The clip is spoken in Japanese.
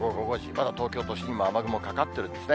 まだ東京都心にも雨雲かかってるんですね。